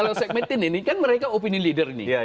kalau segmen ini kan mereka opini leader nih